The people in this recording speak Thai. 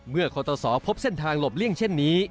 คอตสอพบเส้นทางหลบเลี่ยงเช่นนี้